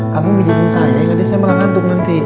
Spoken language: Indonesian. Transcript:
kamu bisa ikut saya yaudah saya malah gantung nanti